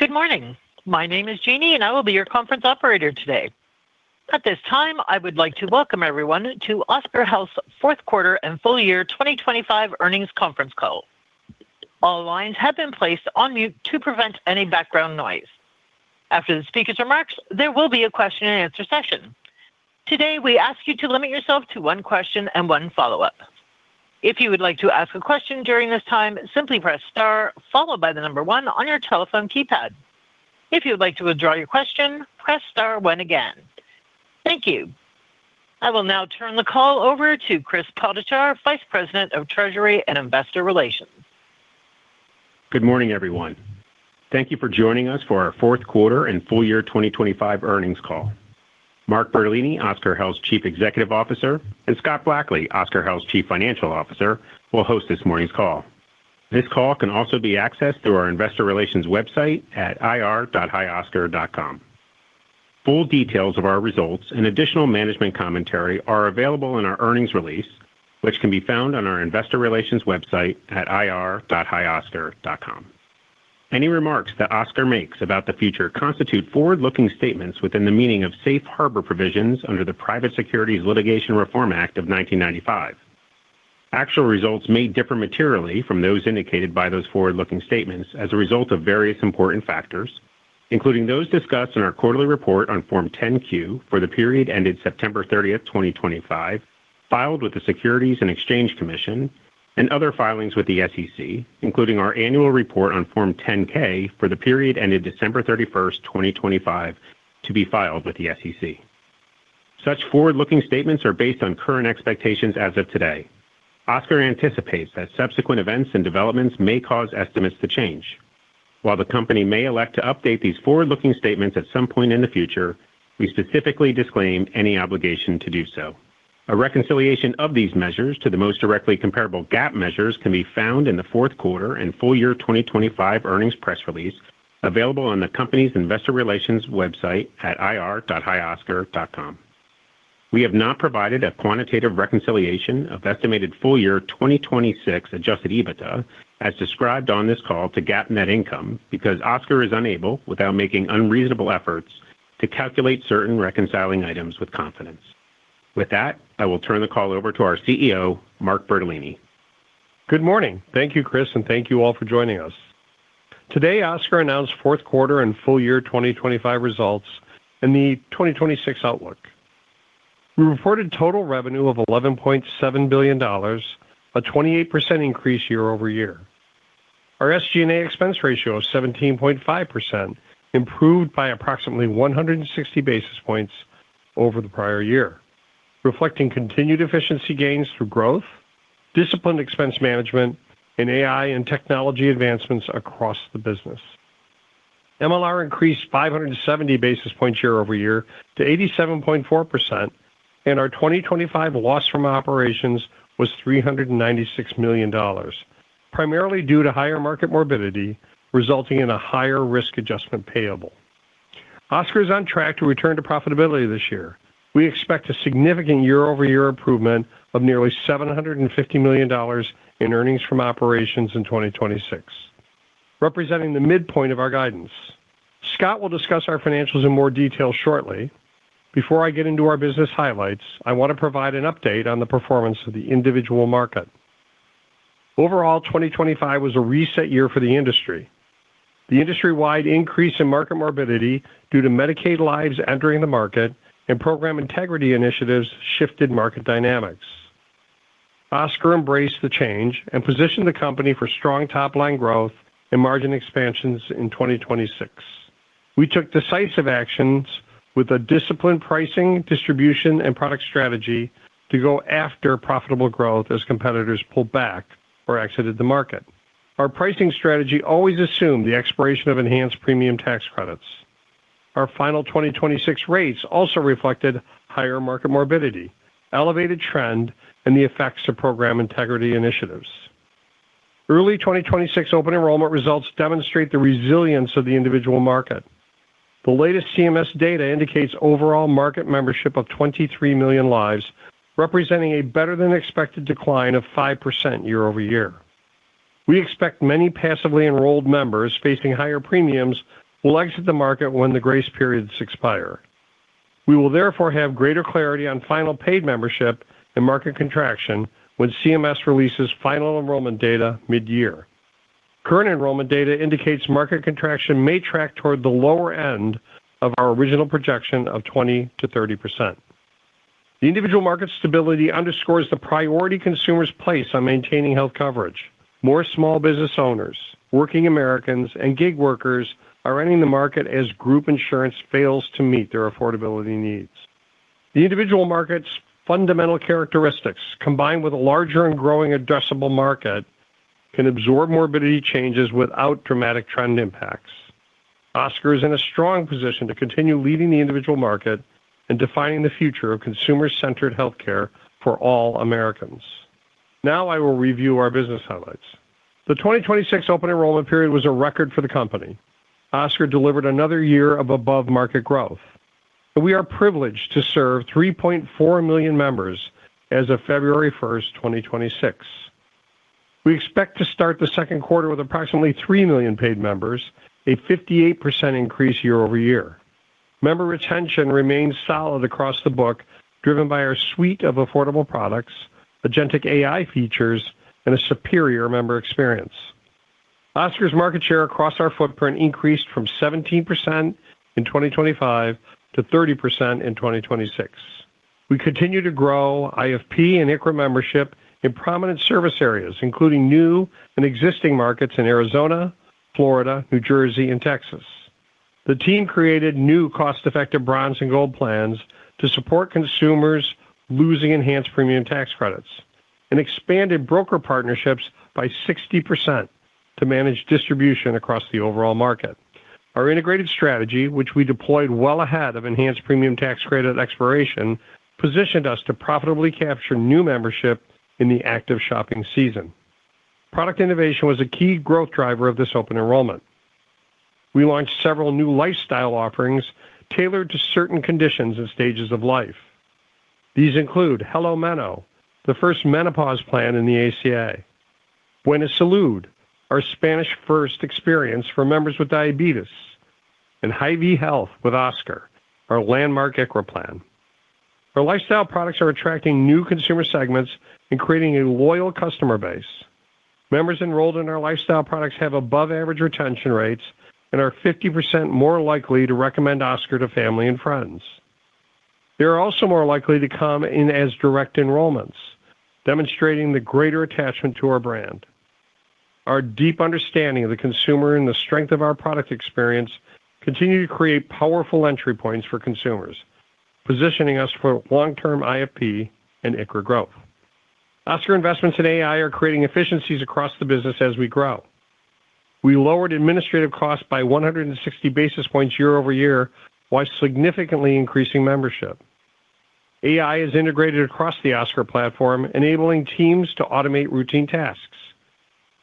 Good morning. My name is Jeanie, and I will be your conference operator today. At this time, I would like to welcome everyone to Oscar Health Fourth Quarter and Full Year 2025 Earnings Conference Call. All lines have been placed on mute to prevent any background noise. After the speaker's remarks, there will be a question-and-answer session. Today we ask you to limit yourself to one question and one follow-up. If you would like to ask a question during this time, simply press * followed by the number 1 on your telephone keypad. If you would like to withdraw your question, press star 1 again. Thank you. I will now turn the call over to Chris Potochar, Vice President of Treasury and Investor Relations. Good morning, everyone. Thank you for joining us for our Fourth Quarter and Full Year 2025 Earnings Call. Mark Bertolini, Oscar Health Chief Executive Officer, and Scott Blackley, Oscar Health Chief Financial Officer, will host this morning's call. This call can also be accessed through our Investor Relations website at ir.hioscar.com. Full details of our results and additional management commentary are available in our earnings release, which can be found on our Investor Relations website at ir.hioscar.com. Any remarks that Oscar makes about the future constitute forward-looking statements within the meaning of safe harbor provisions under the Private Securities Litigation Reform Act of 1995. Actual results may differ materially from those indicated by those forward-looking statements as a result of various important factors, including those discussed in our quarterly report on Form 10-Q for the period ended September 30, 2025, filed with the Securities and Exchange Commission, and other filings with the SEC, including our annual report on Form 10-K for the period ended December 31, 2025, to be filed with the SEC. Such forward-looking statements are based on current expectations as of today. Oscar anticipates that subsequent events and developments may cause estimates to change. While the company may elect to update these forward-looking statements at some point in the future, we specifically disclaim any obligation to do so. A reconciliation of these measures to the most directly comparable GAAP measures can be found in the Fourth Quarter and Full Year 2025 Earnings Press Release available on the company's Investor Relations website at ir.hioscar.com. We have not provided a quantitative reconciliation of estimated Full Year 2026 adjusted EBITDA as described on this call to GAAP net income because Oscar is unable, without making unreasonable efforts, to calculate certain reconciling items with confidence. With that, I will turn the call over to our CEO, Mark Bertolini. Good morning. Thank you, Chris, and thank you all for joining us. Today, Oscar announced Fourth Quarter and Full Year 2025 results and the 2026 outlook. We reported total revenue of $11.7 billion, a 28% increase year-over-year. Our SG&A expense ratio of 17.5% improved by approximately 160 basis points over the prior year, reflecting continued efficiency gains through growth, disciplined expense management, and AI and technology advancements across the business. MLR increased 570 basis points year over year to 87.4%, and our 2025 loss from operations was $396 million, primarily due to higher market morbidity resulting in a higher risk adjustment payable. Oscar is on track to return to profitability this year. We expect a significant year-over-year improvement of nearly $750 million in earnings from operations in 2026, representing the midpoint of our guidance. Scott will discuss our financials in more detail shortly. Before I get into our business highlights, I want to provide an update on the performance of the individual market. Overall, 2025 was a reset year for the industry. The industry-wide increase in market morbidity due to Medicaid lives entering the market and program integrity initiatives shifted market dynamics. Oscar embraced the change and positioned the company for strong top-line growth and margin expansions in 2026. We took decisive actions with a disciplined pricing, distribution, and product strategy to go after profitable growth as competitors pulled back or exited the market. Our pricing strategy always assumed the expiration of enhanced premium tax credits. Our final 2026 rates also reflected higher market morbidity, elevated trend, and the effects of program integrity initiatives. Early 2026 open enrollment results demonstrate the resilience of the individual market. The latest CMS data indicates overall market membership of 23 million lives, representing a better-than-expected decline of 5% year-over-year. We expect many passively enrolled members facing higher premiums will exit the market when the grace periods expire. We will therefore have greater clarity on final paid membership and market contraction when CMS releases final enrollment data mid-year. Current enrollment data indicates market contraction may track toward the lower end of our original projection of 20%-30%. The individual market stability underscores the priority consumer's place on maintaining health coverage. More small business owners, working Americans, and gig workers are entering the market as group insurance fails to meet their affordability needs. The individual market's fundamental characteristics, combined with a larger and growing addressable market, can absorb morbidity changes without dramatic trend impacts. Oscar is in a strong position to continue leading the individual market and defining the future of consumer-centered healthcare for all Americans. Now I will review our business highlights. The 2026 open enrollment period was a record for the company. Oscar delivered another year of above-market growth, and we are privileged to serve 3.4 million members as of February 1, 2026. We expect to start the second quarter with approximately 3 million paid members, a 58% increase year over year. Member retention remains solid across the book, driven by our suite of affordable products, agentic AI features, and a superior member experience. Oscar's market share across our footprint increased from 17% in 2025 to 30% in 2026. We continue to grow IFP and ICHRA membership in prominent service areas, including new and existing markets in Arizona, Florida, New Jersey, and Texas. The team created new cost-effective Bronze and Gold plans to support consumers losing Enhanced Premium Tax Credits and expanded broker partnerships by 60% to manage distribution across the overall market. Our integrated strategy, which we deployed well ahead of Enhanced Premium Tax Credit expiration, positioned us to profitably capture new membership in the active shopping season. Product innovation was a key growth driver of this open enrollment. We launched several new lifestyle offerings tailored to certain conditions and stages of life. These include HelloMeno, the first menopause plan in the ACA, Buena Salud, our Spanish First experience for members with diabetes, and Hy-Vee Health with Oscar, our landmark ICHRA plan. Our lifestyle products are attracting new consumer segments and creating a loyal customer base. Members enrolled in our lifestyle products have above-average retention rates and are 50% more likely to recommend Oscar to family and friends. They are also more likely to come in as direct enrollments, demonstrating the greater attachment to our brand. Our deep understanding of the consumer and the strength of our product experience continue to create powerful entry points for consumers, positioning us for long-term IFP and ICHRA growth. Oscar investments in AI are creating efficiencies across the business as we grow. We lowered administrative costs by 160 basis points year over year while significantly increasing membership. AI is integrated across the Oscar platform, enabling teams to automate routine tasks,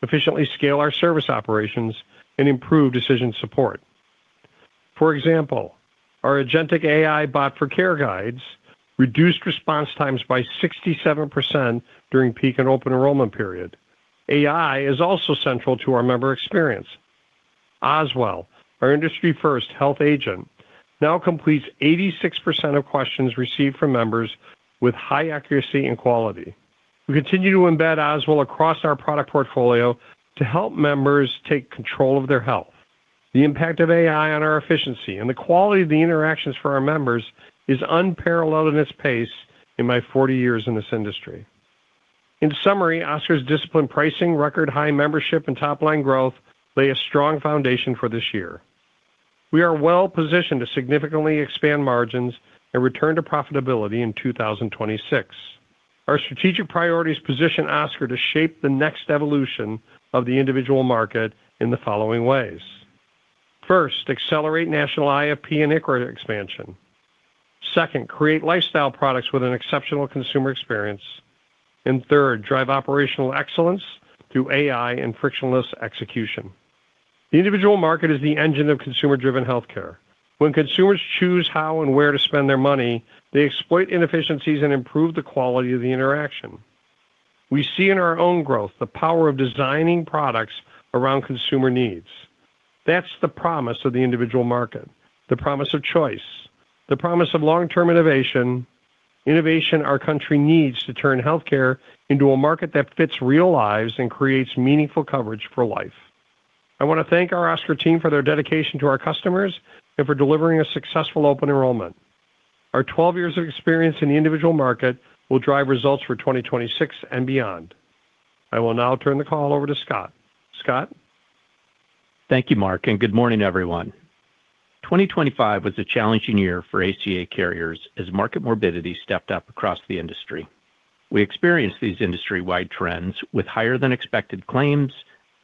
efficiently scale our service operations, and improve decision support. For example, our agentic AI bot for care guides reduced response times by 67% during peak and open enrollment period. AI is also central to our member experience. Oswell, our industry-first health agent, now completes 86% of questions received from members with high accuracy and quality. We continue to embed Oswell across our product portfolio to help members take control of their health. The impact of AI on our efficiency and the quality of the interactions for our members is unparalleled in its pace in my 40 years in this industry. In summary, Oscar's disciplined pricing, record-high membership, and top-line growth lay a strong foundation for this year. We are well positioned to significantly expand margins and return to profitability in 2026. Our strategic priorities position Oscar to shape the next evolution of the individual market in the following ways: first, accelerate national IFP and ICHRA expansion; second, create lifestyle products with an exceptional consumer experience; and third, drive operational excellence through AI and frictionless execution. The individual market is the engine of consumer-driven healthcare. When consumers choose how and where to spend their money, they exploit inefficiencies and improve the quality of the interaction. We see in our own growth the power of designing products around consumer needs. That's the promise of the individual market, the promise of choice, the promise of long-term innovation, innovation our country needs to turn healthcare into a market that fits real lives and creates meaningful coverage for life. I want to thank our Oscar team for their dedication to our customers and for delivering a successful open enrollment. Our 12 years of experience in the individual market will drive results for 2026 and beyond. I will now turn the call over to Scott. Scott? Thank you, Mark, and good morning, everyone. 2025 was a challenging year for ACA carriers as market morbidity stepped up across the industry. We experienced these industry-wide trends with higher-than-expected claims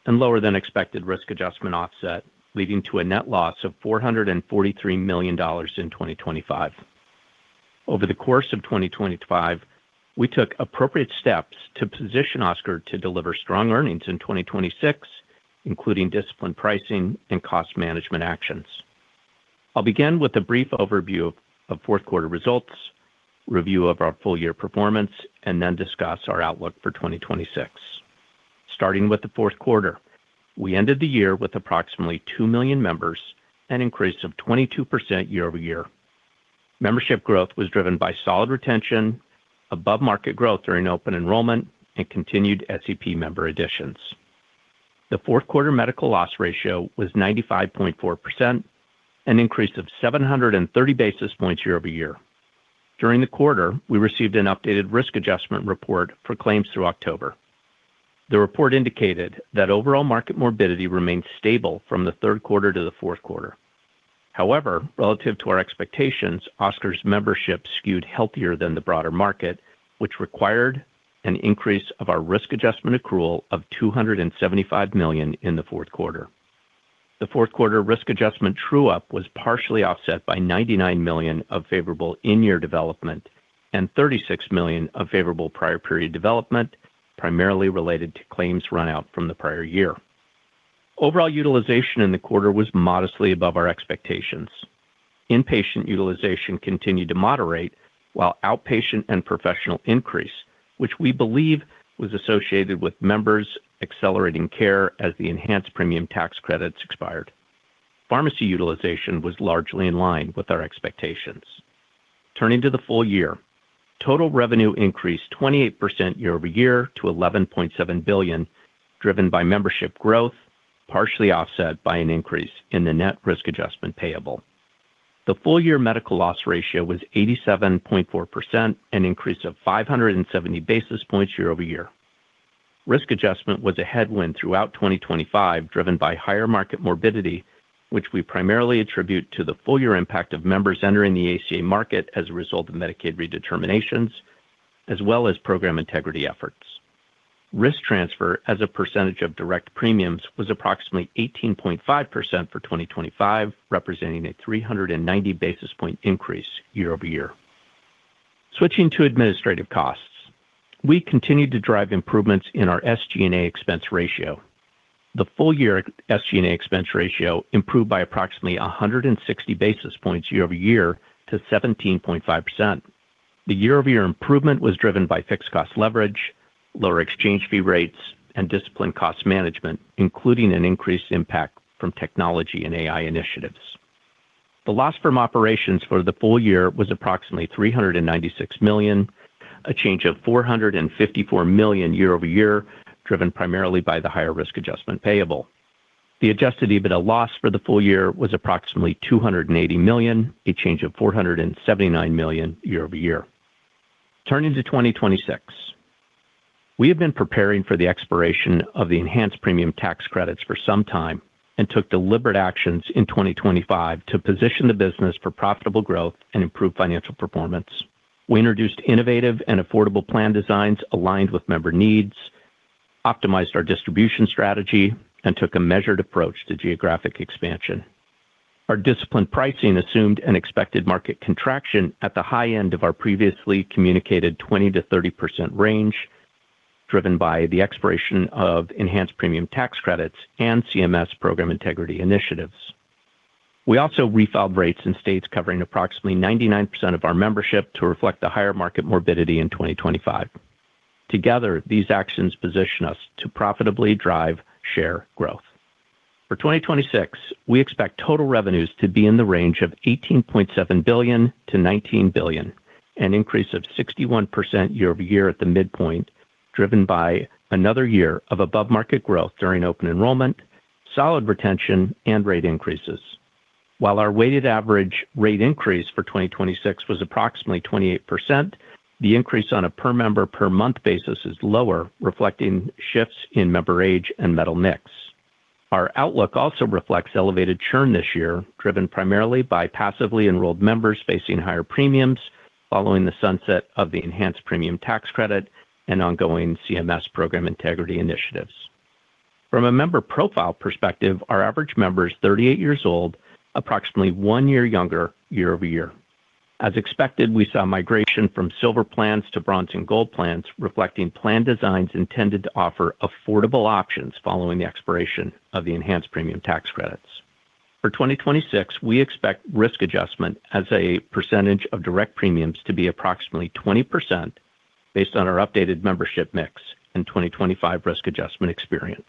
and lower-than-expected risk adjustment offset, leading to a net loss of $443 million in 2025. Over the course of 2025, we took appropriate steps to position Oscar to deliver strong earnings in 2026, including disciplined pricing and cost management actions. I'll begin with a brief overview of fourth quarter results, review of our full year performance, and then discuss our outlook for 2026. Starting with the fourth quarter, we ended the year with approximately 2 million members and an increase of 22% year-over-year. Membership growth was driven by solid retention, above-market growth during open enrollment, and continued SEP member additions. The fourth quarter medical loss ratio was 95.4%, an increase of 730 basis points year-over-year. During the quarter, we received an updated risk adjustment report for claims through October. The report indicated that overall market morbidity remained stable from the third quarter to the fourth quarter. However, relative to our expectations, Oscar's membership skewed healthier than the broader market, which required an increase of our risk adjustment accrual of $275 million in the fourth quarter. The fourth quarter risk adjustment true-up was partially offset by $99 million of favorable in-year development and $36 million of favorable prior-period development, primarily related to claims run out from the prior year. Overall utilization in the quarter was modestly above our expectations. Inpatient utilization continued to moderate while outpatient and professional increase, which we believe was associated with members accelerating care as the enhanced premium tax credits expired. Pharmacy utilization was largely in line with our expectations. Turning to the Full Year, total revenue increased 28% year over year to $11.7 billion, driven by membership growth, partially offset by an increase in the net risk adjustment payable. The Full Year Medical Loss Ratio was 87.4%, an increase of 570 basis points year over year. Risk Adjustment was a headwind throughout 2025, driven by higher market morbidity, which we primarily attribute to the Full Year impact of members entering the ACA market as a result of Medicaid Redeterminations, as well as program integrity efforts. Risk transfer as a percentage of direct premiums was approximately 18.5% for 2025, representing a 390 basis point increase year over year. Switching to administrative costs, we continue to drive improvements in our SG&A expense ratio. The Full Year SG&A expense ratio improved by approximately 160 basis points year over year to 17.5%. The year-over-year improvement was driven by fixed cost leverage, lower exchange fee rates, and disciplined cost management, including an increased impact from technology and AI initiatives. The loss from operations for the full year was approximately $396 million, a change of $454 million year-over-year, driven primarily by the higher risk adjustment payable. The adjusted EBITDA loss for the full year was approximately $280 million, a change of $479 million year-over-year. Turning to 2026, we have been preparing for the expiration of the enhanced premium tax credits for some time and took deliberate actions in 2025 to position the business for profitable growth and improved financial performance. We introduced innovative and affordable plan designs aligned with member needs, optimized our distribution strategy, and took a measured approach to geographic expansion. Our disciplined pricing assumed an expected market contraction at the high end of our previously communicated 20%-30% range, driven by the expiration of enhanced premium tax credits and CMS program integrity initiatives. We also refiled rates in states covering approximately 99% of our membership to reflect the higher market morbidity in 2025. Together, these actions position us to profitably drive share growth. For 2026, we expect total revenues to be in the range of $18.7 billion-$19 billion, an increase of 61% year-over-year at the midpoint, driven by another year of above-market growth during open enrollment, solid retention, and rate increases. While our weighted average rate increase for 2026 was approximately 28%, the increase on a per member per month basis is lower, reflecting shifts in member age and metal mix. Our outlook also reflects elevated churn this year, driven primarily by passively enrolled members facing higher premiums following the sunset of the enhanced premium tax credit and ongoing CMS program integrity initiatives. From a member profile perspective, our average member is 38 years old, approximately one year younger year-over-year. As expected, we saw migration from silver plans to bronze and gold plans, reflecting plan designs intended to offer affordable options following the expiration of the enhanced premium tax credits. For 2026, we expect risk adjustment as a percentage of direct premiums to be approximately 20% based on our updated membership mix and 2025 risk adjustment experience.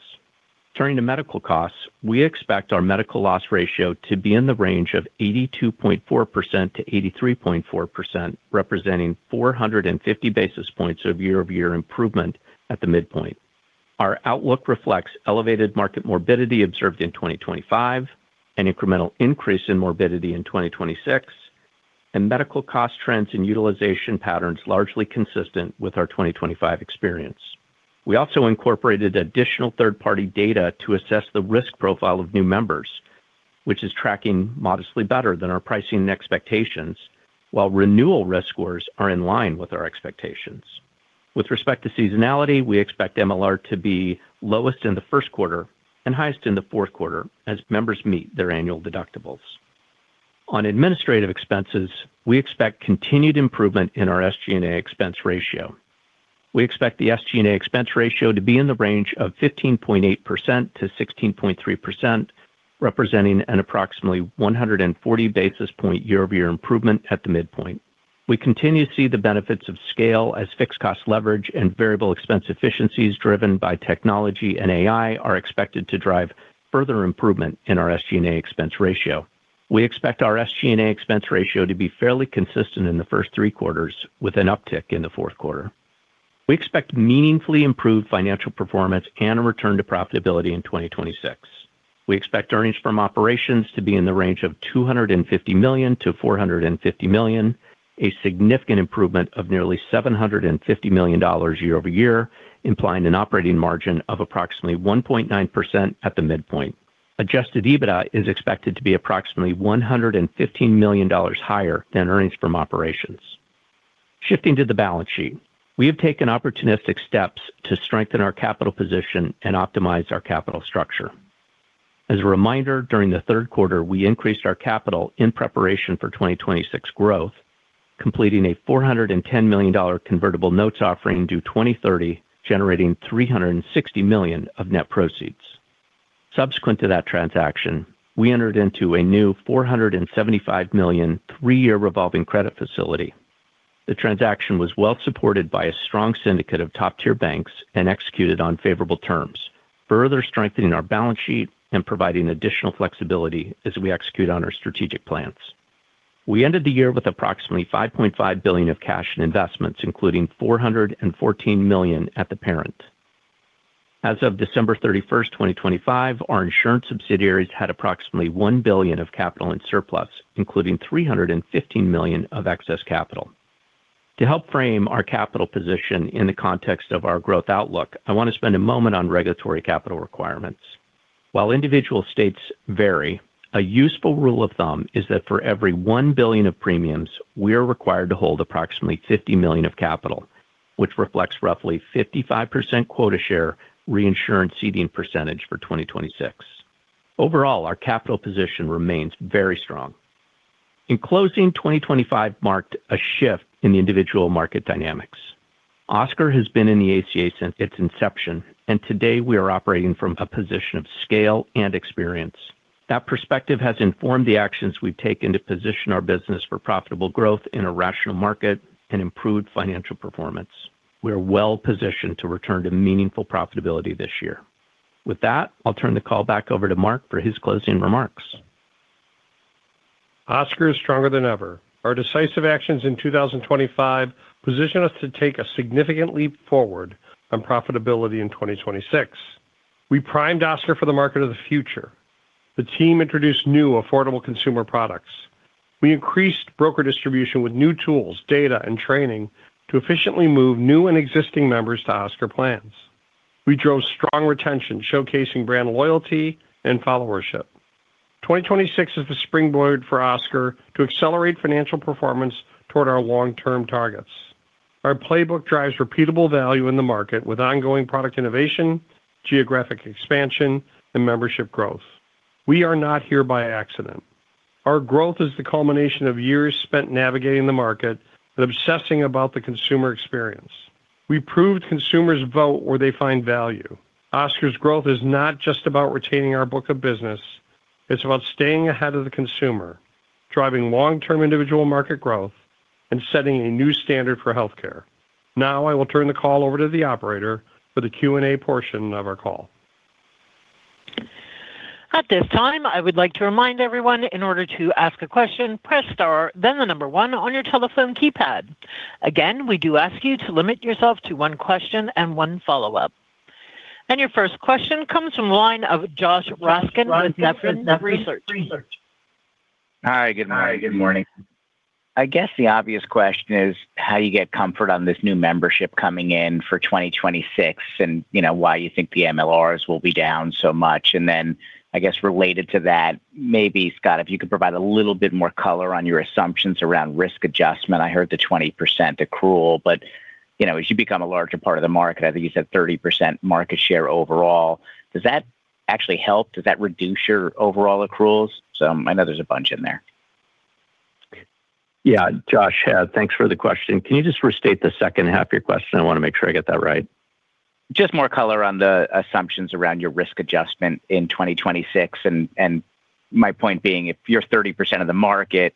Turning to medical costs, we expect our medical loss ratio to be in the range of 82.4%-83.4%, representing 450 basis points of year-over-year improvement at the midpoint. Our outlook reflects elevated market morbidity observed in 2025, an incremental increase in morbidity in 2026, and medical cost trends and utilization patterns largely consistent with our 2025 experience. We also incorporated additional third-party data to assess the risk profile of new members, which is tracking modestly better than our pricing and expectations, while renewal risk scores are in line with our expectations. With respect to seasonality, we expect MLR to be lowest in the first quarter and highest in the fourth quarter as members meet their annual deductibles. On administrative expenses, we expect continued improvement in our SG&A expense ratio. We expect the SG&A expense ratio to be in the range of 15.8% to 16.3%, representing an approximately 140 basis point year-over-year improvement at the midpoint. We continue to see the benefits of scale as fixed cost leverage and variable expense efficiencies driven by technology and AI are expected to drive further improvement in our SG&A expense ratio. We expect our SG&A expense ratio to be fairly consistent in the first three quarters, with an uptick in the fourth quarter. We expect meaningfully improved financial performance and a return to profitability in 2026. We expect earnings from operations to be in the range of $250 million-$450 million, a significant improvement of nearly $750 million year-over-year, implying an operating margin of approximately 1.9% at the midpoint. Adjusted EBITDA is expected to be approximately $115 million higher than earnings from operations. Shifting to the balance sheet, we have taken opportunistic steps to strengthen our capital position and optimize our capital structure. As a reminder, during the third quarter, we increased our capital in preparation for 2026 growth, completing a $410 million convertible notes offering due 2030, generating $360 million of net proceeds. Subsequent to that transaction, we entered into a new $475 million three-year revolving credit facility. The transaction was well supported by a strong syndicate of top-tier banks and executed on favorable terms, further strengthening our balance sheet and providing additional flexibility as we execute on our strategic plans. We ended the year with approximately $5.5 billion of cash and investments, including $414 million at the parent. As of December 31st, 2025, our insurance subsidiaries had approximately $1 billion of capital in surplus, including $315 million of excess capital. To help frame our capital position in the context of our growth outlook, I want to spend a moment on regulatory capital requirements. While individual states vary, a useful rule of thumb is that for every $1 billion of premiums, we are required to hold approximately $50 million of capital, which reflects roughly 55% quota share reinsurance ceding percentage for 2026. Overall, our capital position remains very strong. In closing, 2025 marked a shift in the individual market dynamics. Oscar has been in the ACA since its inception, and today we are operating from a position of scale and experience. That perspective has informed the actions we've taken to position our business for profitable growth in a rational market and improved financial performance. We are well positioned to return to meaningful profitability this year. With that, I'll turn the call back over to Mark for his closing remarks. Oscar is stronger than ever. Our decisive actions in 2025 position us to take a significant leap forward on profitability in 2026. We primed Oscar for the market of the future. The team introduced new affordable consumer products. We increased broker distribution with new tools, data, and training to efficiently move new and existing members to Oscar plans. We drove strong retention, showcasing brand loyalty and followership. 2026 is the springboard for Oscar to accelerate financial performance toward our long-term targets. Our playbook drives repeatable value in the market with ongoing product innovation, geographic expansion, and membership growth. We are not here by accident. Our growth is the culmination of years spent navigating the market and obsessing about the consumer experience. We proved consumers vote where they find value. Oscar's growth is not just about retaining our book of business. It's about staying ahead of the consumer, driving long-term individual market growth, and setting a new standard for healthcare. Now I will turn the call over to the operator for the Q&A portion of our call. At this time, I would like to remind everyone, in order to ask a question, press star, then the number one on your telephone keypad. Again, we do ask you to limit yourself to one question and one follow-up. Your first question comes from the line of Joshua Raskin with Nephron Research. Hi. Good morning. I guess the obvious question is how you get comfort on this new membership coming in for 2026 and why you think the MLRs will be down so much. And then, I guess related to that, maybe, Scott, if you could provide a little bit more color on your assumptions around risk adjustment. I heard the 20% accrual, but as you become a larger part of the market, I think you said 30% market share overall. Does that actually help? Does that reduce your overall accruals? So I know there's a bunch in there. Yeah. Josh, thanks for the question. Can you just restate the second half of your question? I want to make sure I get that right. Just more color on the assumptions around your risk adjustment in 2026. And my point being, if you're 30% of the market,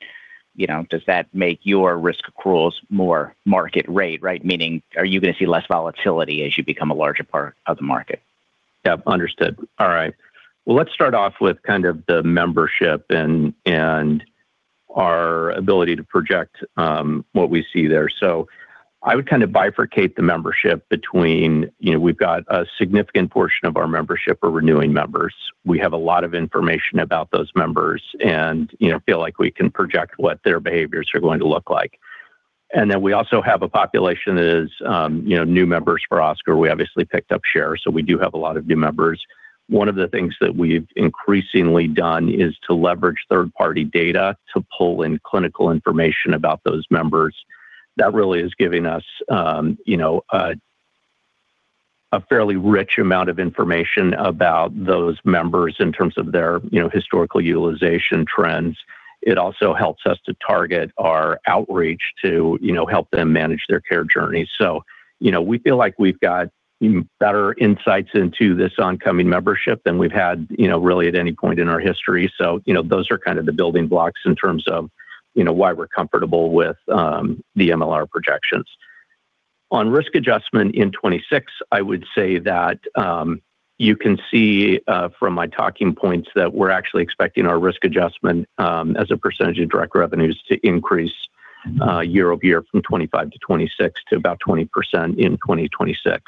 does that make your risk accruals more market rate, right? Meaning, are you going to see less volatility as you become a larger part of the market? Yep. Understood. All right. Well, let's start off with kind of the membership and our ability to project what we see there. So I would kind of bifurcate the membership between we've got a significant portion of our membership are renewing members. We have a lot of information about those members and feel like we can project what their behaviors are going to look like. And then we also have a population that is new members for Oscar. We obviously picked up share, so we do have a lot of new members. One of the things that we've increasingly done is to leverage third-party data to pull in clinical information about those members. That really is giving us a fairly rich amount of information about those members in terms of their historical utilization trends. It also helps us to target our outreach to help them manage their care journey. So we feel like we've got better insights into this oncoming membership than we've had really at any point in our history. So those are kind of the building blocks in terms of why we're comfortable with the MLR projections. On risk adjustment in 2026, I would say that you can see from my talking points that we're actually expecting our risk adjustment as a percentage of direct revenues to increase year-over-year from 2025 to 2026 to about 20% in 2026.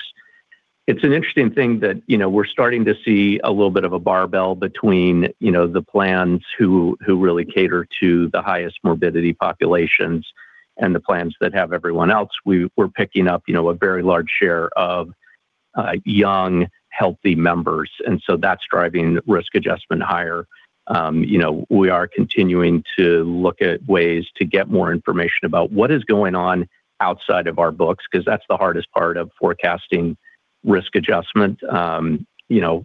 It's an interesting thing that we're starting to see a little bit of a barbell between the plans who really cater to the highest morbidity populations and the plans that have everyone else. We're picking up a very large share of young, healthy members. And so that's driving risk adjustment higher. We are continuing to look at ways to get more information about what is going on outside of our books because that's the hardest part of forecasting risk adjustment.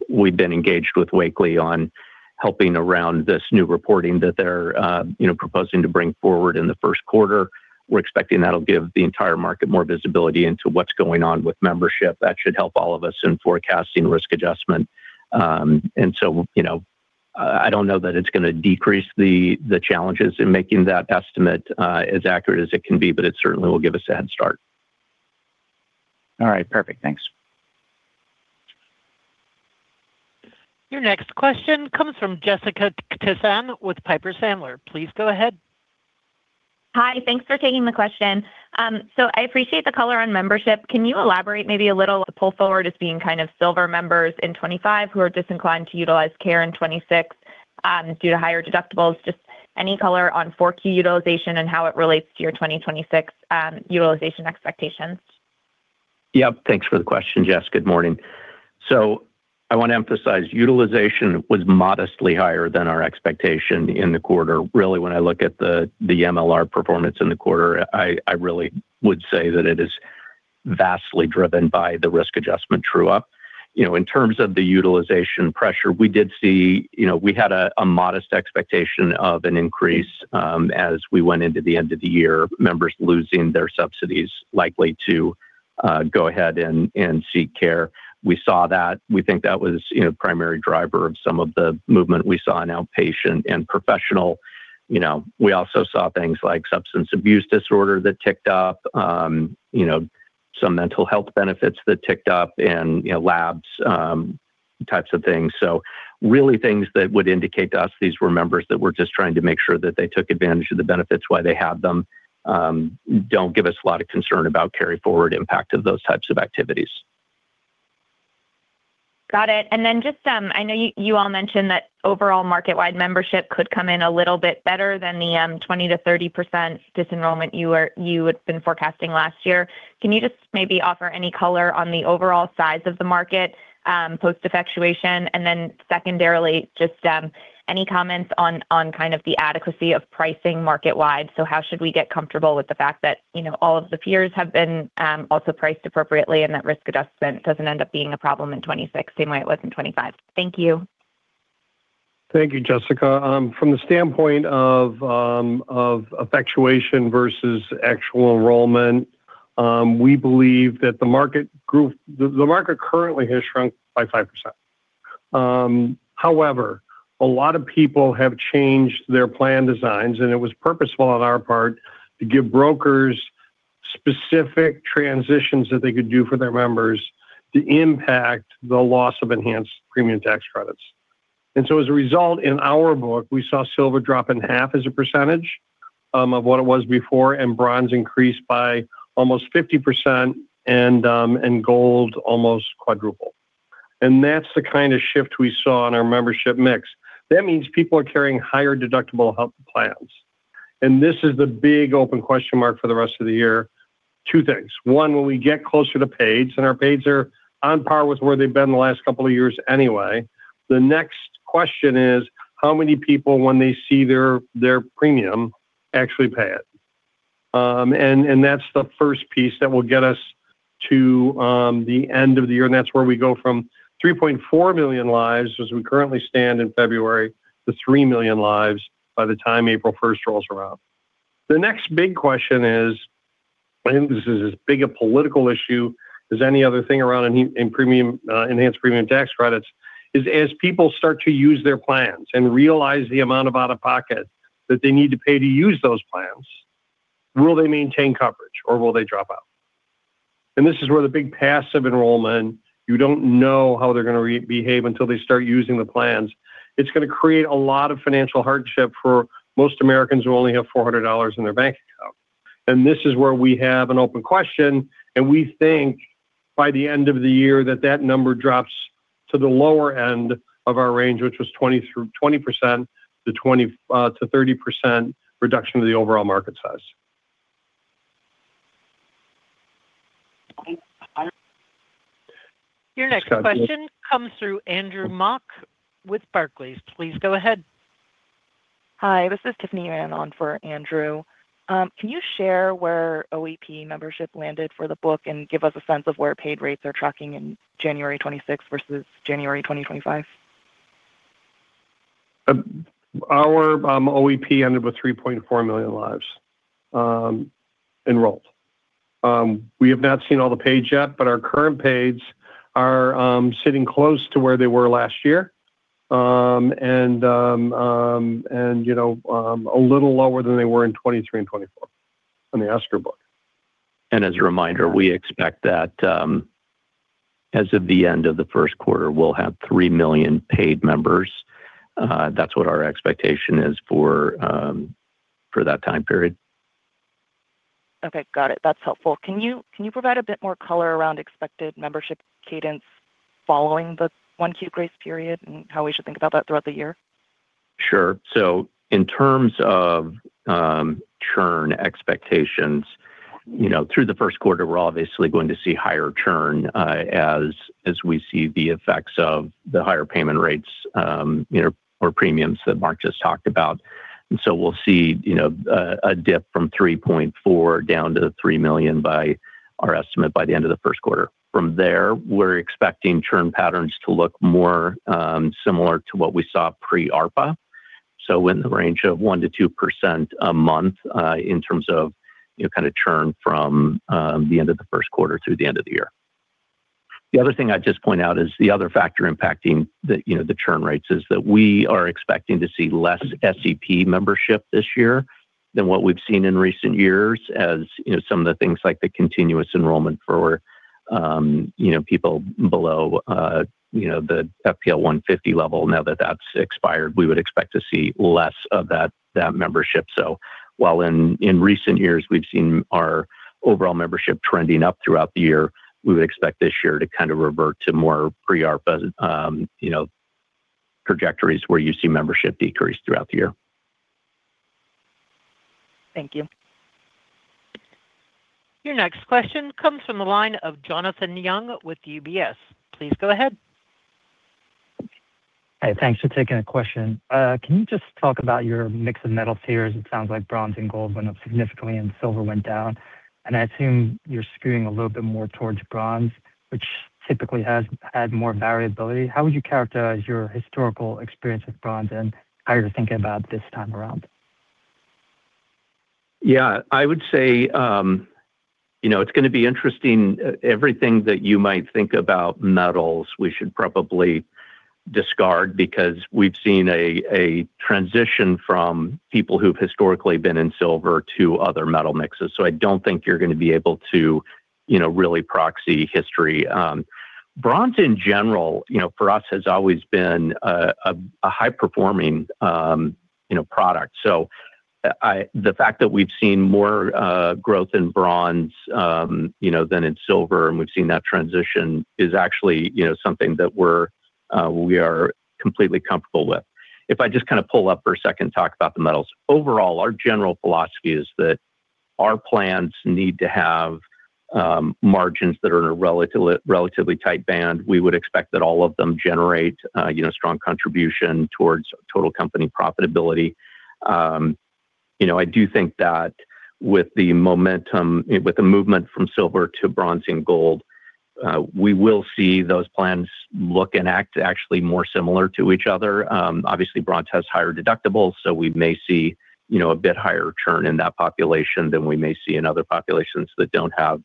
We've been engaged with Wakely on helping around this new reporting that they're proposing to bring forward in the first quarter. We're expecting that'll give the entire market more visibility into what's going on with membership. That should help all of us in forecasting risk adjustment. And so I don't know that it's going to decrease the challenges in making that estimate as accurate as it can be, but it certainly will give us a head start. All right. Perfect. Thanks. Your next question comes from Jessica Tassan with Piper Sandler. Please go ahead. Hi. Thanks for taking the question. So I appreciate the color on membership. Can you elaborate maybe a little? The pull forward is being kind of Silver members in 2025 who are disinclined to utilize care in 2026 due to higher deductibles. Just any color on 4Q utilization and how it relates to your 2026 utilization expectations? Yep. Thanks for the question, Jess. Good morning. So I want to emphasize, utilization was modestly higher than our expectation in the quarter. Really, when I look at the MLR performance in the quarter, I really would say that it is vastly driven by the risk adjustment true-up. In terms of the utilization pressure, we did see we had a modest expectation of an increase as we went into the end of the year, members losing their subsidies likely to go ahead and seek care. We saw that. We think that was a primary driver of some of the movement we saw in outpatient and professional. We also saw things like substance abuse disorder that ticked up, some mental health benefits that ticked up, and labs, types of things. So really, things that would indicate to us these were members that were just trying to make sure that they took advantage of the benefits, why they had them, don't give us a lot of concern about carry-forward impact of those types of activities. Got it. And then just I know you all mentioned that overall market-wide membership could come in a little bit better than the 20%-30% disenrollment you had been forecasting last year. Can you just maybe offer any color on the overall size of the market post-effectuation? And then secondarily, just any comments on kind of the adequacy of pricing market-wide? So how should we get comfortable with the fact that all of the peers have been also priced appropriately and that risk adjustment doesn't end up being a problem in 2026 the same way it was in 2025? Thank you. Thank you, Jessica. From the standpoint of effectuation versus actual enrollment, we believe that the market currently has shrunk by 5%. However, a lot of people have changed their plan designs, and it was purposeful on our part to give brokers specific transitions that they could do for their members to impact the loss of enhanced premium tax credits. So as a result, in our book, we saw silver drop in half as a percentage of what it was before and bronze increase by almost 50% and gold almost quadruple. That's the kind of shift we saw in our membership mix. That means people are carrying higher deductible plans. This is the big open question mark for the rest of the year. Two things. One, when we get closer to paids, and our paids are on par with where they've been the last couple of years anyway, the next question is how many people, when they see their premium, actually pay it? And that's the first piece that will get us to the end of the year. And that's where we go from 3.4 million lives, as we currently stand in February, to 3 million lives by the time April 1st rolls around. The next big question is I think this is as big a political issue as any other thing around enhanced premium tax credits: as people start to use their plans and realize the amount of out-of-pocket that they need to pay to use those plans, will they maintain coverage or will they drop out? This is where the big passive enrollment you don't know how they're going to behave until they start using the plans. It's going to create a lot of financial hardship for most Americans who only have $400 in their bank account. This is where we have an open question. We think by the end of the year that that number drops to the lower end of our range, which was 20%-30% reduction of the overall market size. Your next question comes through Andrew Mok with Barclays. Please go ahead. Hi. This is Tiffany Anand for Andrew. Can you share where OEP membership landed for the book and give us a sense of where paid rates are tracking in January 2026 versus January 2025? Our OEP ended with 3.4 million lives enrolled. We have not seen all the paids yet, but our current paids are sitting close to where they were last year and a little lower than they were in 2023 and 2024 on the Oscar book. As a reminder, we expect that as of the end of the first quarter, we'll have 3 million paid members. That's what our expectation is for that time period. Okay. Got it. That's helpful. Can you provide a bit more color around expected membership cadence following the 1Q grace period and how we should think about that throughout the year? Sure. So in terms of churn expectations, through the first quarter, we're obviously going to see higher churn as we see the effects of the higher payment rates or premiums that Mark just talked about. And so we'll see a dip from 3.4 down to 3 million by our estimate by the end of the first quarter. From there, we're expecting churn patterns to look more similar to what we saw pre-ARPA, so in the range of 1%-2% a month in terms of kind of churn from the end of the first quarter through the end of the year. The other thing I'd just point out is the other factor impacting the churn rates is that we are expecting to see less SEP membership this year than what we've seen in recent years as some of the things like the continuous enrollment for people below the FPL 150 level. Now that that's expired, we would expect to see less of that membership. So while in recent years, we've seen our overall membership trending up throughout the year, we would expect this year to kind of revert to more pre-ARPA trajectories where you see membership decrease throughout the year. Thank you. Your next question comes from the line of Jonathan Yong with UBS. Please go ahead. Hey. Thanks for taking the question. Can you just talk about your mix of metals here? It sounds like Bronze and Gold went up significantly and Silver went down. I assume you're skewing a little bit more towards Bronze, which typically has had more variability. How would you characterize your historical experience with Bronze and how you're thinking about this time around? Yeah. I would say it's going to be interesting. Everything that you might think about metals, we should probably discard because we've seen a transition from people who've historically been in Silver to other metal mixes. So I don't think you're going to be able to really proxy history. Bronze, in general, for us, has always been a high-performing product. So the fact that we've seen more growth in Bronze than in Silver, and we've seen that transition, is actually something that we are completely comfortable with. If I just kind of pull up for a second and talk about the metals, overall, our general philosophy is that our plans need to have margins that are in a relatively tight band. We would expect that all of them generate strong contribution towards total company profitability. I do think that with the momentum, with the movement from silver to bronze and gold, we will see those plans look and act actually more similar to each other. Obviously, bronze has higher deductibles, so we may see a bit higher churn in that population than we may see in other populations that don't have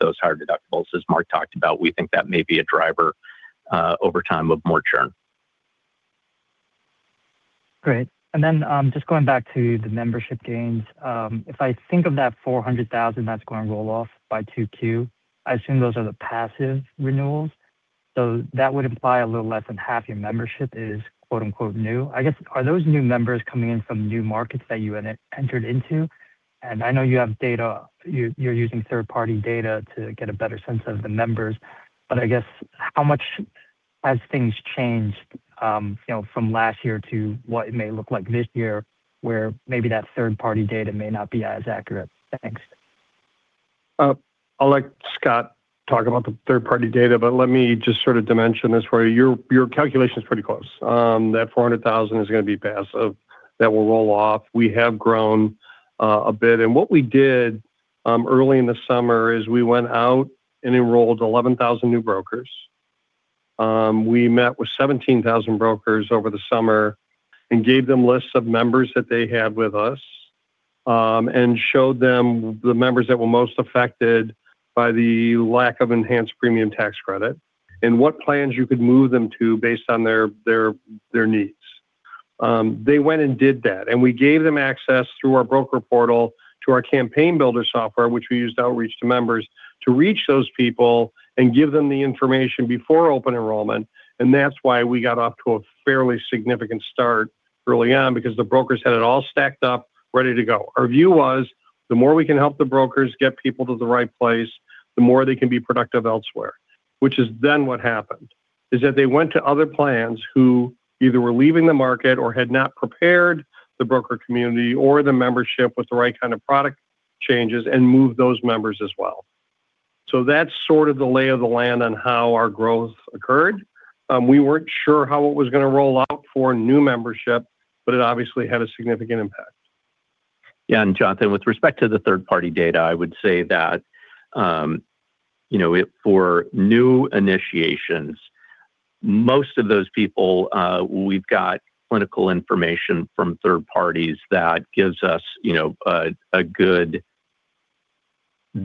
those higher deductibles. As Mark talked about, we think that may be a driver over time of more churn. Great. And then just going back to the membership gains, if I think of that 400,000 that's going to roll off by 2Q, I assume those are the passive renewals. So that would imply a little less than half your membership is "new." I guess, are those new members coming in from new markets that you entered into? And I know you have data you're using third-party data to get a better sense of the members. But I guess, how much has things changed from last year to what it may look like this year where maybe that third-party data may not be as accurate? Thanks. I'll let Scott talk about the third-party data, but let me just sort of dimension this for you. Your calculation is pretty close. That 400,000 is going to be passive. That will roll off. We have grown a bit. And what we did early in the summer is we went out and enrolled 11,000 new brokers. We met with 17,000 brokers over the summer and gave them lists of members that they had with us and showed them the members that were most affected by the lack of Enhanced Premium Tax Credit and what plans you could move them to based on their needs. They went and did that. And we gave them access through our broker portal to our Campaign Builder software, which we used outreach to members, to reach those people and give them the information before Open Enrollment. And that's why we got off to a fairly significant start early on because the brokers had it all stacked up ready to go. Our view was, the more we can help the brokers get people to the right place, the more they can be productive elsewhere. Which is then what happened is that they went to other plans who either were leaving the market or had not prepared the broker community or the membership with the right kind of product changes and moved those members as well. So that's sort of the lay of the land on how our growth occurred. We weren't sure how it was going to roll out for new membership, but it obviously had a significant impact. Yeah. And Jonathan, with respect to the third-party data, I would say that for new initiations, most of those people, we've got clinical information from third parties that gives us a good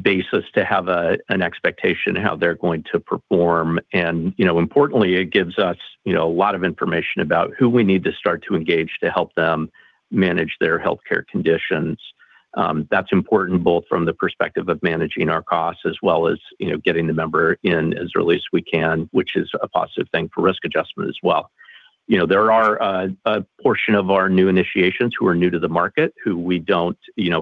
basis to have an expectation of how they're going to perform. And importantly, it gives us a lot of information about who we need to start to engage to help them manage their healthcare conditions. That's important both from the perspective of managing our costs as well as getting the member in as early as we can, which is a positive thing for risk adjustment as well. There are a portion of our new initiations who are new to the market, who we don't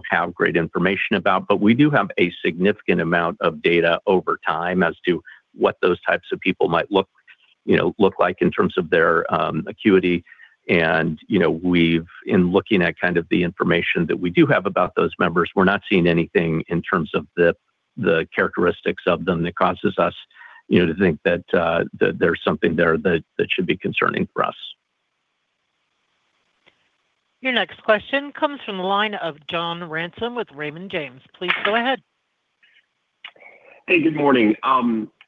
have great information about, but we do have a significant amount of data over time as to what those types of people might look like in terms of their acuity. In looking at kind of the information that we do have about those members, we're not seeing anything in terms of the characteristics of them that causes us to think that there's something there that should be concerning for us. Your next question comes from the line of John Ransom with Raymond James. Please go ahead. Hey. Good morning.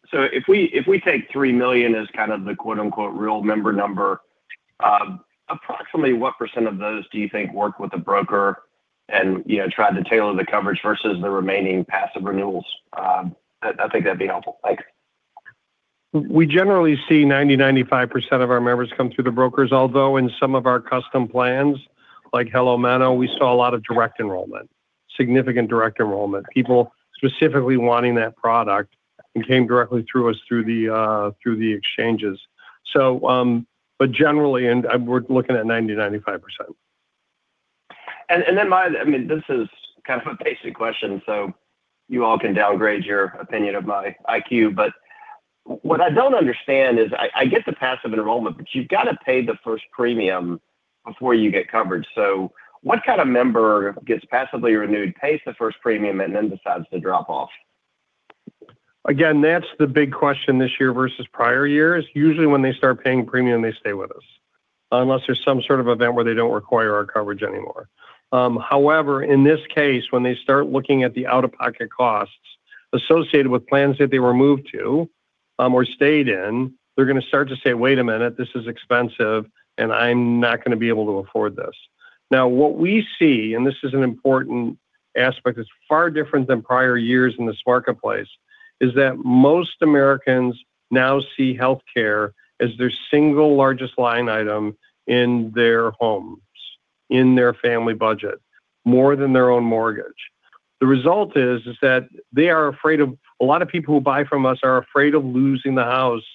So if we take 3 million as kind of the "real member number," approximately what % of those do you think work with a broker and try to tailor the coverage versus the remaining passive renewals? I think that'd be helpful. Thanks. We generally see 90%-95% of our members come through the brokers. Although in some of our custom plans, like HelloMeno, we saw a lot of direct enrollment, significant direct enrollment, people specifically wanting that product and came directly through us through the exchanges. But generally, we're looking at 90%-95%. And then, I mean, this is kind of a basic question, so you all can downgrade your opinion of my IQ. But what I don't understand is I get the passive enrollment, but you've got to pay the first premium before you get covered. So what kind of member gets passively renewed, pays the first premium, and then decides to drop off? Again, that's the big question this year versus prior years. Usually, when they start paying premium, they stay with us unless there's some sort of event where they don't require our coverage anymore. However, in this case, when they start looking at the out-of-pocket costs associated with plans that they were moved to or stayed in, they're going to start to say, "Wait a minute. This is expensive, and I'm not going to be able to afford this." Now, what we see - and this is an important aspect that's far different than prior years in this marketplace - is that most Americans now see healthcare as their single largest line item in their homes, in their family budget, more than their own mortgage. The result is that they are afraid of a lot of people who buy from us are afraid of losing the house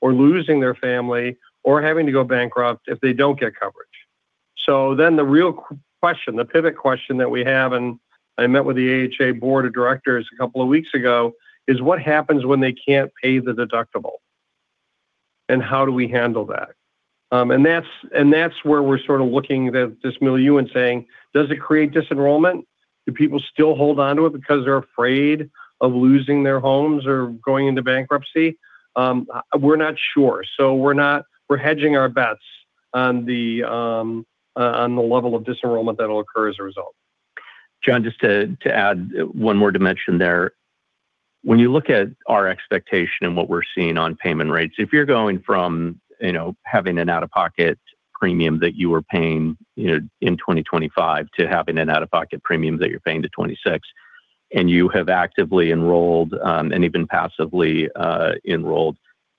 or losing their family or having to go bankrupt if they don't get coverage. So then the real question, the pivot question that we have - and I met with the AHA Board of Directors a couple of weeks ago - is what happens when they can't pay the deductible, and how do we handle that? And that's where we're sort of looking at this milieu and saying, "Does it create disenrollment? Do people still hold onto it because they're afraid of losing their homes or going into bankruptcy?" We're not sure. So we're hedging our bets on the level of disenrollment that'll occur as a result. John, just to add one more dimension there. When you look at our expectation and what we're seeing on payment rates, if you're going from having an out-of-pocket premium that you were paying in 2025 to having an out-of-pocket premium that you're paying in 2026, and you have actively enrolled and even passively enrolled,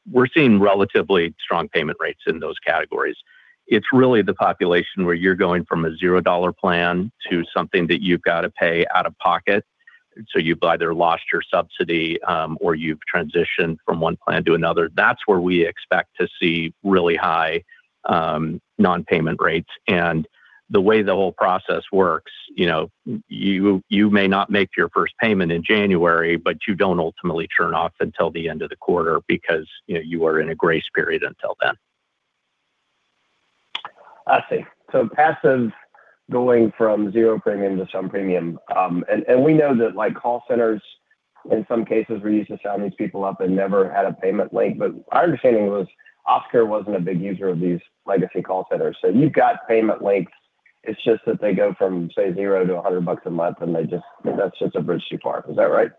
we're seeing relatively strong payment rates in those categories. It's really the population where you're going from a $0 plan to something that you've got to pay out of pocket. So you've either lost your subsidy or you've transitioned from one plan to another. That's where we expect to see really high non-payment rates. The way the whole process works, you may not make your first payment in January, but you don't ultimately churn off until the end of the quarter because you are in a grace period until then. I see. So passive going from zero premium to some premium. And we know that call centers, in some cases, were used to sound these people up and never had a payment link. But our understanding was Oscar wasn't a big user of these legacy call centers. So you've got payment links. It's just that they go from, say, 0 to $100 a month, and that's just a bridge too far. Is that right?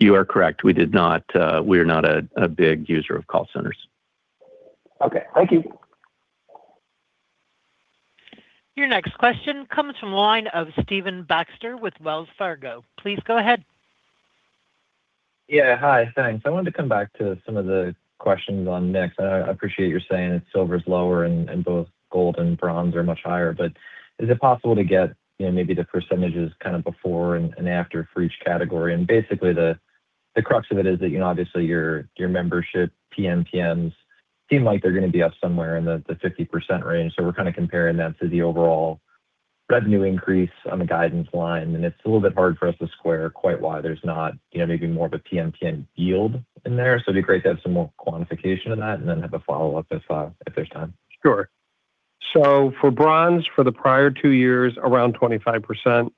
You are correct. We are not a big user of call centers. Okay. Thank you. Your next question comes from the line of Stephen Baxter with Wells Fargo. Please go ahead. Yeah. Hi. Thanks. I wanted to come back to some of the questions on NIX. I appreciate you're saying that Silver is lower and both Gold and Bronze are much higher. But is it possible to get maybe the percentages kind of before and after for each category? Basically, the crux of it is that obviously, your membership, PMPMs, seem like they're going to be up somewhere in the 50% range. We're kind of comparing that to the overall revenue increase on the guidance line. It's a little bit hard for us to square quite why there's not maybe more of a PMPM yield in there. It'd be great to have some more quantification of that and then have a follow-up if there's time. Sure. So for Bronze, for the prior two years, around 25%.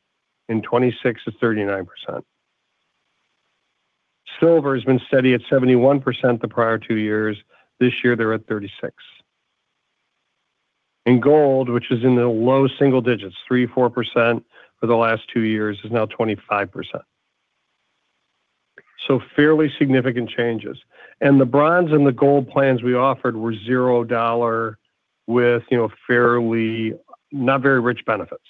In 2026, it's 39%. Silver has been steady at 71% the prior two years. This year, they're at 36%. In Gold, which is in the low single digits, 3% to 4% for the last two years, is now 25%. So fairly significant changes. And the Bronze and the Gold plans we offered were $0 with not very rich benefits.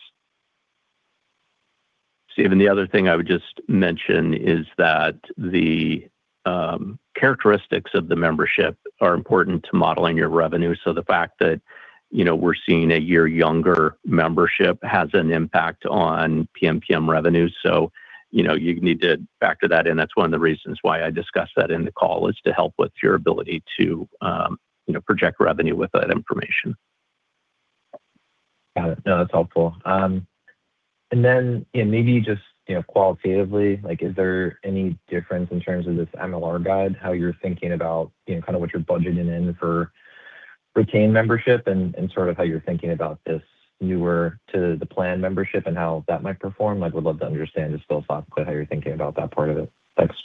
Stephen, the other thing I would just mention is that the characteristics of the membership are important to modeling your revenue. So the fact that we're seeing a year-younger membership has an impact on PMPM revenue. So you need to factor that in. That's one of the reasons why I discussed that in the call, is to help with your ability to project revenue with that information. Got it. No, that's helpful. And then maybe just qualitatively, is there any difference in terms of this MLR guide, how you're thinking about kind of what you're budgeting in for retained membership and sort of how you're thinking about this newer-to-the-plan membership and how that might perform? We'd love to understand just philosophically how you're thinking about that part of it. Thanks.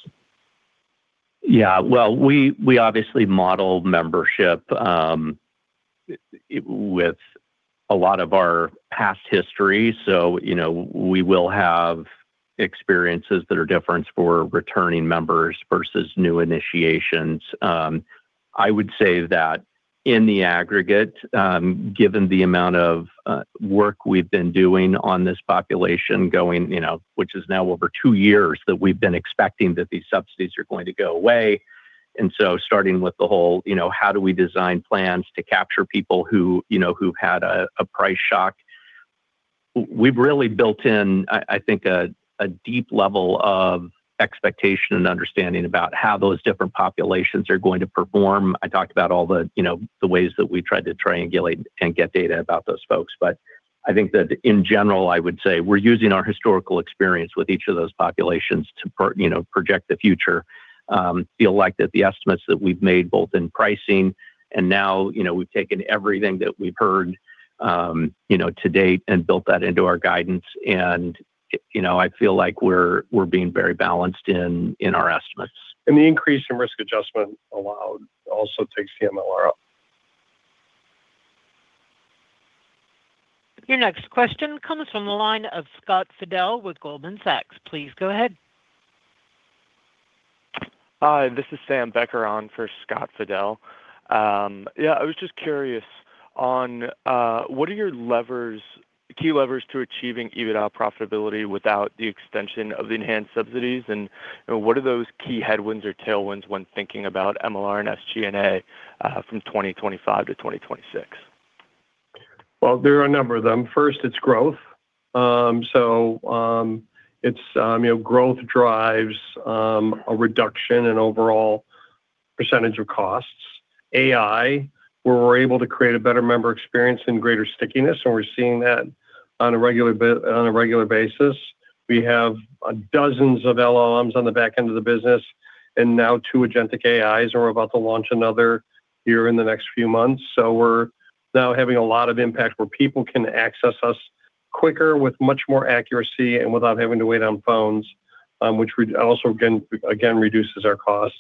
Yeah. Well, we obviously model membership with a lot of our past history. So we will have experiences that are different for returning members versus new initiations. I would say that in the aggregate, given the amount of work we've been doing on this population, which is now over two years that we've been expecting that these subsidies are going to go away. And so starting with the whole, how do we design plans to capture people who've had a price shock? We've really built in, I think, a deep level of expectation and understanding about how those different populations are going to perform. I talked about all the ways that we tried to triangulate and get data about those folks. But I think that in general, I would say we're using our historical experience with each of those populations to project the future, feel like that the estimates that we've made both in pricing, and now we've taken everything that we've heard to date and built that into our guidance. I feel like we're being very balanced in our estimates. The increase in Risk Adjustment allowed also takes the MLR up. Your next question comes from the line of Scott Fidel with Goldman Sachs. Please go ahead. Hi. This is Sam Begren for Scott Fidel. Yeah. I was just curious, what are your key levers to achieving EBITDA profitability without the extension of the enhanced subsidies? And what are those key headwinds or tailwinds when thinking about MLR and SG&A from 2025 to 2026? Well, there are a number of them. First, it's growth. So growth drives a reduction in overall percentage of costs. AI, where we're able to create a better member experience and greater stickiness, and we're seeing that on a regular basis. We have dozens of LLMs on the back end of the business and now two agentic AIs, and we're about to launch another here in the next few months. So we're now having a lot of impact where people can access us quicker with much more accuracy and without having to wait on phones, which also again reduces our costs.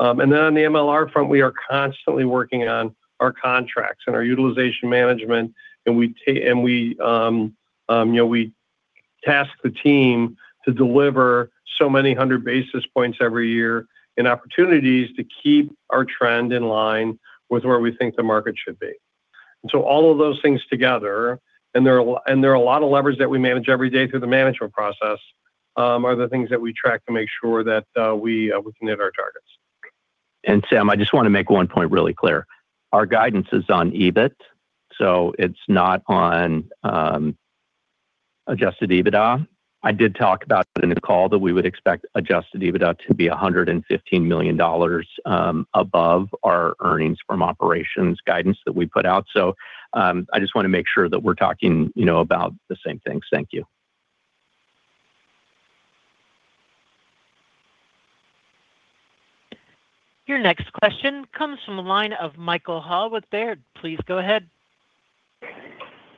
And then on the MLR front, we are constantly working on our contracts and our utilization management. And we task the team to deliver so many hundred basis points every year and opportunities to keep our trend in line with where we think the market should be. And so all of those things together—and there are a lot of levers that we manage every day through the management process—are the things that we track to make sure that we can hit our targets. Sam, I just want to make one point really clear. Our guidance is on EBIT. It's not on adjusted EBITDA. I did talk about it in the call that we would expect adjusted EBITDA to be $115 million above our earnings from operations guidance that we put out. I just want to make sure that we're talking about the same things. Thank you. Your next question comes from the line of Michael Ha. What's there? Please go ahead.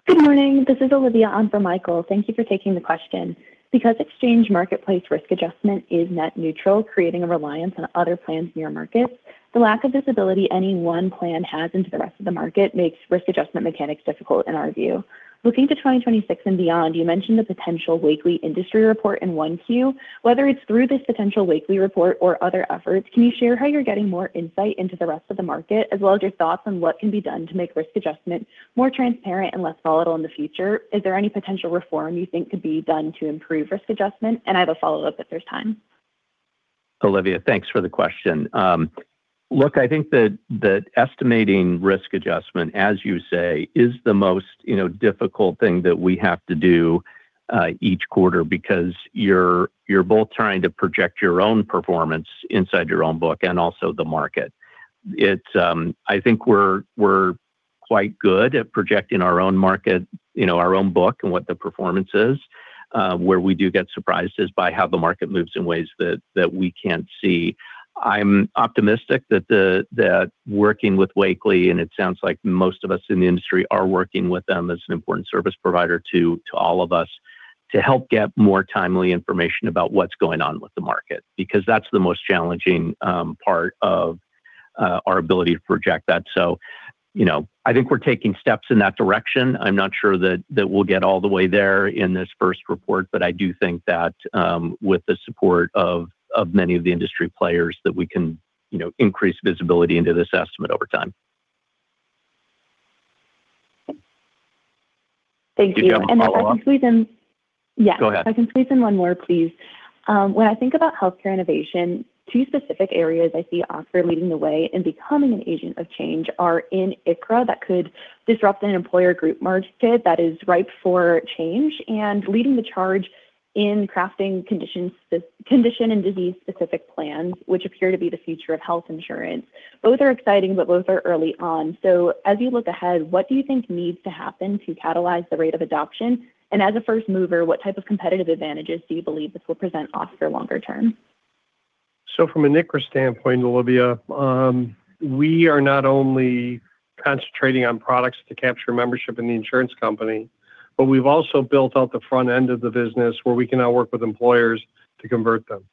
Good morning. This is Olivia on for Michael. Thank you for taking the question. Because exchange marketplace risk adjustment is net neutral, creating a reliance on other plans in your market, the lack of visibility any one plan has into the rest of the market makes risk adjustment mechanics difficult in our view. Looking to 2026 and beyond, you mentioned the potential weekly industry report in 10-Q. Whether it's through this potential weekly report or other efforts, can you share how you're getting more insight into the rest of the market, as well as your thoughts on what can be done to make risk adjustment more transparent and less volatile in the future? Is there any potential reform you think could be done to improve risk adjustment? And I have a follow-up if there's time. Olivia, thanks for the question. Look, I think that estimating risk adjustment, as you say, is the most difficult thing that we have to do each quarter because you're both trying to project your own performance inside your own book and also the market. I think we're quite good at projecting our own market, our own book, and what the performance is. Where we do get surprised is by how the market moves in ways that we can't see. I'm optimistic that working with Wakely, and it sounds like most of us in the industry are working with them as an important service provider to all of us, to help get more timely information about what's going on with the market because that's the most challenging part of our ability to project that. I think we're taking steps in that direction. I'm not sure that we'll get all the way there in this first report, but I do think that with the support of many of the industry players, that we can increase visibility into this estimate over time. Thank you. And then I can squeeze in yeah. Go ahead. I can squeeze in one more, please. When I think about healthcare innovation, two specific areas I see Oscar leading the way in becoming an agent of change are in ICHRA that could disrupt an employer group market that is ripe for change and leading the charge in crafting condition and disease-specific plans, which appear to be the future of health insurance. Both are exciting, but both are early on. So as you look ahead, what do you think needs to happen to catalyze the rate of adoption? And as a first mover, what type of competitive advantages do you believe this will present Oscar longer term? So from an ICHRA standpoint, Olivia, we are not only concentrating on products to capture membership in the insurance company, but we've also built out the front end of the business where we can now work with employers to convert them.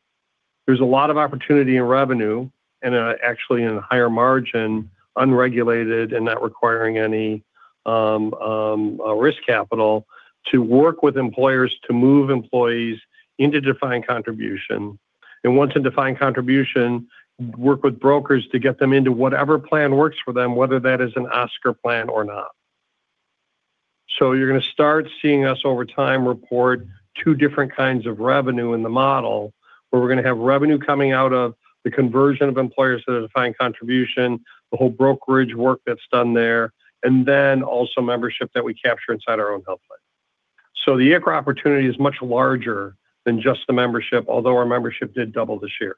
There's a lot of opportunity in revenue and actually in a higher margin, unregulated and not requiring any risk capital, to work with employers to move employees into defined contribution. And once in defined contribution, work with brokers to get them into whatever plan works for them, whether that is an Oscar plan or not. So you're going to start seeing us over time report two different kinds of revenue in the model, where we're going to have revenue coming out of the conversion of employers to the defined contribution, the whole brokerage work that's done there, and then also membership that we capture inside our own health plan. So the ICHRA opportunity is much larger than just the membership, although our membership did double this year.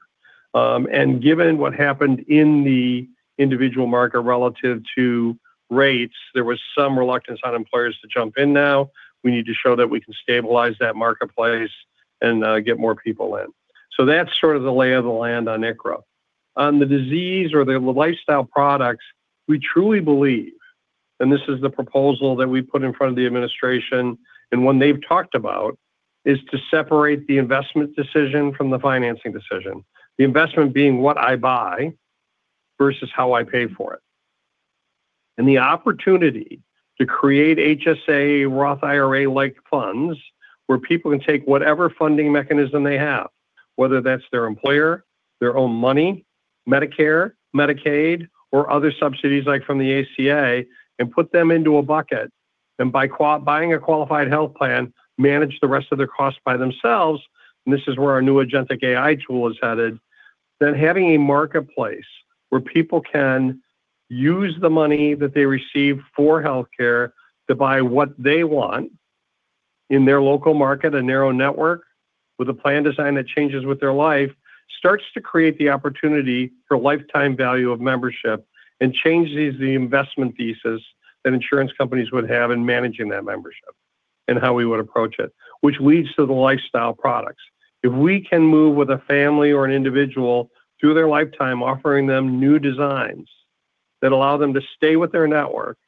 And given what happened in the individual market relative to rates, there was some reluctance on employers to jump in now. We need to show that we can stabilize that marketplace and get more people in. So that's sort of the lay of the land on ICHRA. On the disease or the lifestyle products, we truly believe - and this is the proposal that we put in front of the administration and one they've talked about - is to separate the investment decision from the financing decision, the investment being what I buy versus how I pay for it. The opportunity to create HSA, Roth IRA-like funds where people can take whatever funding mechanism they have, whether that's their employer, their own money, Medicare, Medicaid, or other subsidies like from the ACA, and put them into a bucket, and buying a qualified health plan, manage the rest of their costs by themselves - and this is where our new Agentic AI tool is headed - then having a marketplace where people can use the money that they receive for healthcare to buy what they want in their local market, a narrow network with a plan design that changes with their life, starts to create the opportunity for lifetime value of membership and changes the investment thesis that insurance companies would have in managing that membership and how we would approach it, which leads to the lifestyle products. If we can move with a family or an individual through their lifetime, offering them new designs that allow them to stay with their network,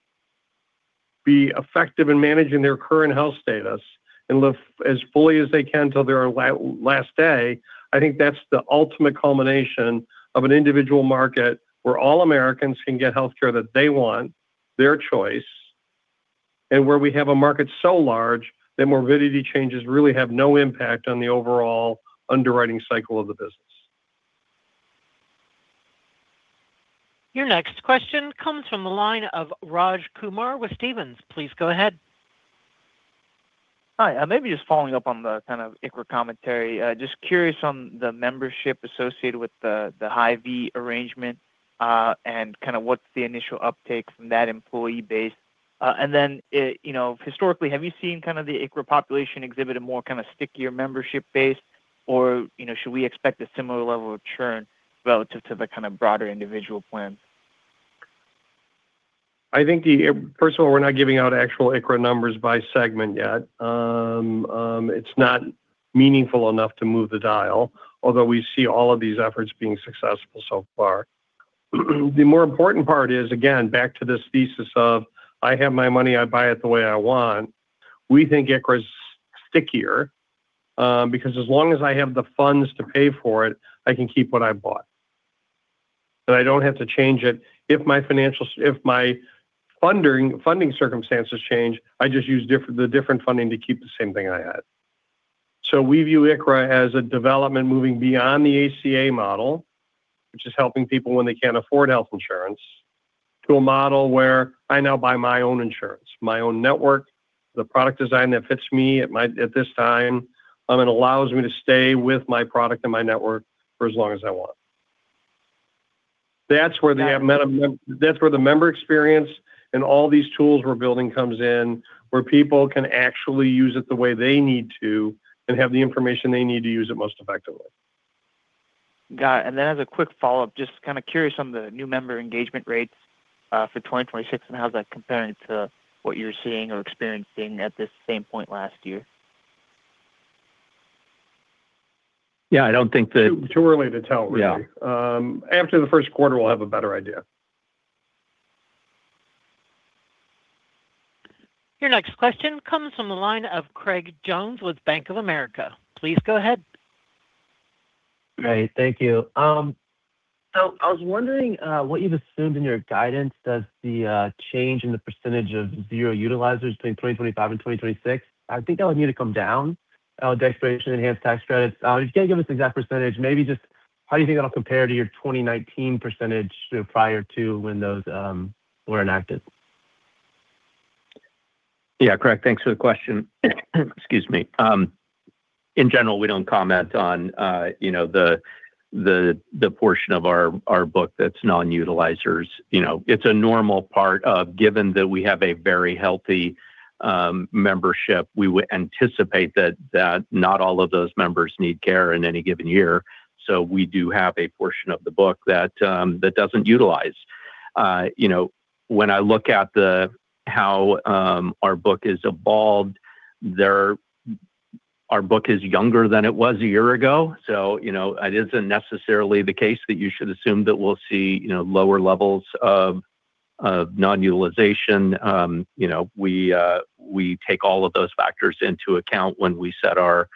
be effective in managing their current health status, and live as fully as they can till their last day, I think that's the ultimate culmination of an individual market where all Americans can get healthcare that they want, their choice, and where we have a market so large that morbidity changes really have no impact on the overall underwriting cycle of the business. Your next question comes from the line of Raj Kumar with Stephens. Please go ahead. Hi. Maybe just following up on the kind of ICHRA commentary. Just curious on the membership associated with the Hy-Vee arrangement and kind of what's the initial uptake from that employee-based. And then historically, have you seen kind of the ICHRA population exhibit a more kind of stickier membership base, or should we expect a similar level of churn relative to the kind of broader individual plans? I think, first of all, we're not giving out actual ICHRA numbers by segment yet. It's not meaningful enough to move the dial, although we see all of these efforts being successful so far. The more important part is, again, back to this thesis of, "I have my money. I buy it the way I want," we think ICHRA is stickier because as long as I have the funds to pay for it, I can keep what I bought. I don't have to change it. If my funding circumstances change, I just use the different funding to keep the same thing I had. So we view ICHRA as a development moving beyond the ACA model, which is helping people when they can't afford health insurance, to a model where I now buy my own insurance, my own network, the product design that fits me at this time, and allows me to stay with my product and my network for as long as I want. That's where the member experience and all these tools we're building comes in, where people can actually use it the way they need to and have the information they need to use it most effectively. Got it. As a quick follow-up, just kind of curious on the new member engagement rates for 2026 and how's that comparing to what you're seeing or experiencing at this same point last year. Yeah. I don't think that. Too early to tell, really. After the first quarter, we'll have a better idea. Your next question comes from the line of Craig Jones with Bank of America. Please go ahead. Great. Thank you. So I was wondering what you've assumed in your guidance does the change in the percentage of zero utilizers between 2025 and 2026. I think that would need to come down, the expiration of enhanced tax credits. If you can't give us the exact percentage, maybe just how do you think that'll compare to your 2019 percentage prior to when those were enacted? Yeah. Correct. Thanks for the question. Excuse me. In general, we don't comment on the portion of our book that's non-utilizers. It's a normal part, given that we have a very healthy membership. We would anticipate that not all of those members need care in any given year. So we do have a portion of the book that doesn't utilize. When I look at how our book has evolved, our book is younger than it was a year ago. So it isn't necessarily the case that you should assume that we'll see lower levels of non-utilization. We take all of those factors into account when we set our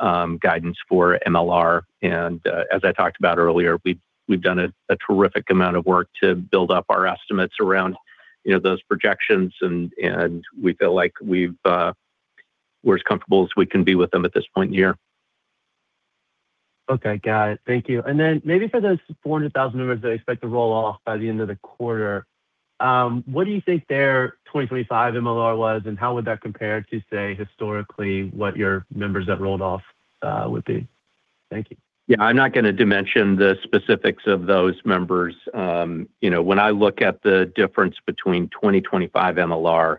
guidance for MLR. As I talked about earlier, we've done a terrific amount of work to build up our estimates around those projections, and we feel like we're as comfortable as we can be with them at this point in the year. Okay. Got it. Thank you. And then maybe for those 400,000 members that expect to roll off by the end of the quarter, what do you think their 2025 MLR was, and how would that compare to, say, historically, what your members that rolled off would be? Thank you. Yeah. I'm not going to dimension the specifics of those members. When I look at the difference between 2025 MLR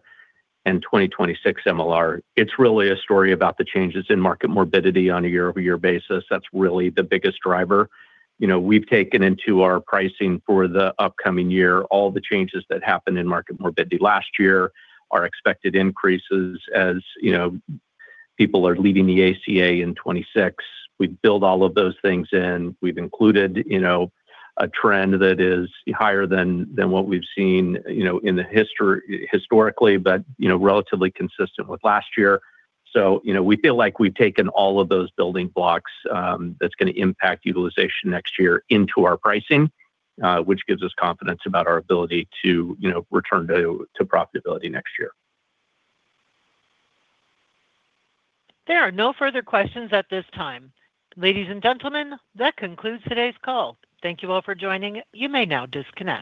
and 2026 MLR, it's really a story about the changes in market morbidity on a year-over-year basis. That's really the biggest driver. We've taken into our pricing for the upcoming year all the changes that happened in market morbidity last year, our expected increases as people are leaving the ACA in 2026. We've built all of those things in. We've included a trend that is higher than what we've seen in the history historically, but relatively consistent with last year. So we feel like we've taken all of those building blocks that's going to impact utilization next year into our pricing, which gives us confidence about our ability to return to profitability next year. There are no further questions at this time. Ladies and gentlemen, that concludes today's call. Thank you all for joining. You may now disconnect.